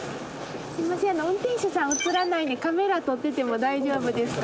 すいません運転手さん映らないんでカメラ撮ってても大丈夫ですか？